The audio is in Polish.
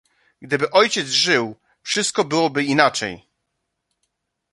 "Gdyby ojciec żył, wszystko byłoby inaczej."